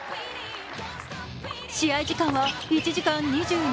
試合時間は１時間２２分。